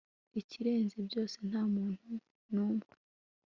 Ikirenze byose nta muntu numwe